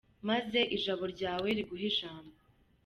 Maze ijabo ryawe riguhe ijambo.